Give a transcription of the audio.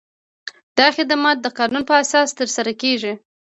دا خدمات د قانون په اساس ترسره کیږي.